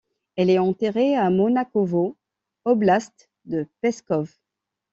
Elle est enterrée à Monakovo, oblast de Pskov.